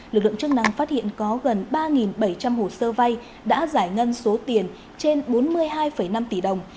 lực lượng chức năng phát hiện có gần ba bảy trăm linh hồ sơ vay đã giải ngân số tiền trên bốn mươi hai năm tỷ đồng